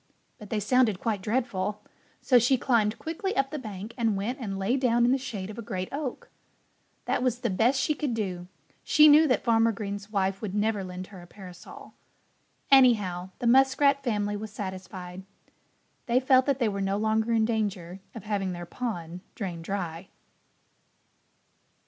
But they sounded quite dreadful. So she climbed quickly up the bank and went and lay down in the shade of a great oak. That was the best she could do. She knew that Farmer Green's wife would never lend her a parasol. Anyhow, the Muskrat family was satisfied. They felt that they were no longer in danger of having their pond drained dry.